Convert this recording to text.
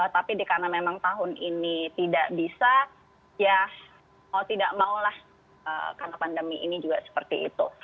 tapi karena memang tahun ini tidak bisa ya mau tidak maulah karena pandemi ini juga seperti itu